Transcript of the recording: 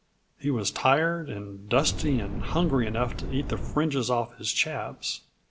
He was tired and dusty and hungry enough to eat the fringes off his chaps.